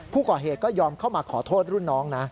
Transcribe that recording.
ผู้ก่อเหตุก็ยอมเข้ามาขอโทษรุ่นน้องนะ